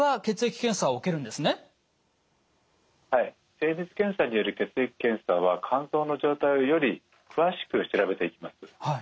精密検査による血液検査は肝臓の状態をより詳しく調べていきます。